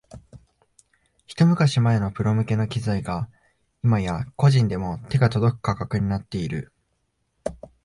ひと昔前のプロ向けの機材が今や個人でも手が届く価格になっている